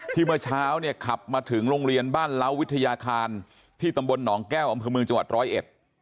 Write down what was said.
เมื่อเช้าเนี่ยขับมาถึงโรงเรียนบ้านเล้าวิทยาคารที่ตำบลหนองแก้วอำเภอเมืองจังหวัดร้อยเอ็ด